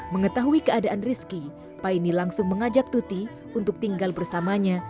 mengetahui keadaan rizky paine langsung mengajak tuti untuk tinggal bersamanya